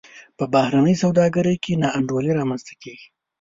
په بهرنۍ سوداګرۍ کې نا انډولي رامنځته کیږي.